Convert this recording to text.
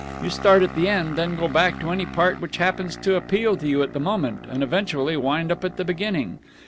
You start at the end, then go back to any part which happens to appeal to you at the moment, and eventually wind up at the beginning.